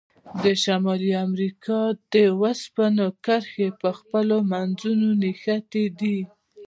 د شمالي امریکا د اوسپنې کرښې په خپلو منځونو نښتي دي.